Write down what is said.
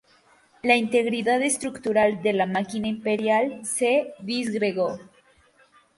La integridad estructural de la máquina imperial se disgregó.